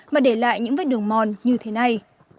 mà để lại những vết đường mòn như thế này